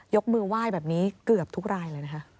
ยกมือไหว้แบบนี้เกือบทุกรายเลยนะคะ